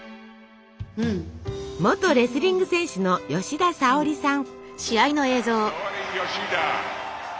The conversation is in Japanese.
元レスリング選手の吉田沙保里さん。